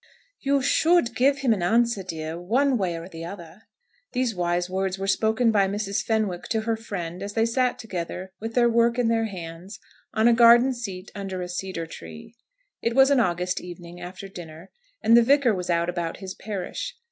"You should give him an answer, dear, one way or the other." These wise words were spoken by Mrs. Fenwick to her friend as they sat together, with their work in their hands, on a garden seat under a cedar tree. It was an August evening after dinner, and the Vicar was out about his parish.